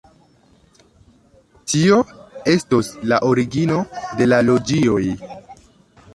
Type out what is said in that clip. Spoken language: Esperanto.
Tio estos la origino de la loĝioj.